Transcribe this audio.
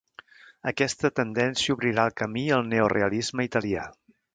Aquesta tendència obrirà el camí al neorealisme italià.